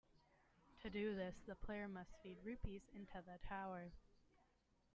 To do this, the player must feed Rupees into the tower.